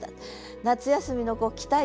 夏休みの期待感